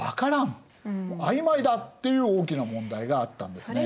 あいまいだっていう大きな問題があったんですね。